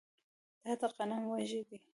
دا د غنم وږی دی